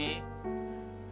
kita kagak ada untung